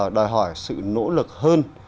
đòi hỏi sự nỗ lực hơn